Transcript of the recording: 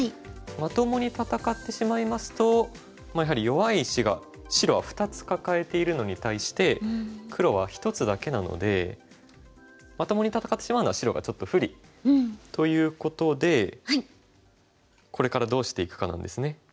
まともに戦ってしまいますとやはり弱い石が白は２つ抱えているのに対して黒は１つだけなのでまともに戦ってしまうのは白がちょっと不利ということでこれからどうしていくかなんですね。